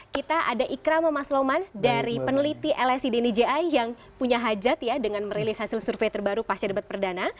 kita ada ikramo mas loman dari peneliti lsi dini jai yang punya hajat dengan merilis hasil survei terbaru pasca debat perdana